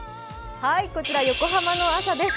こちら、横浜の朝です。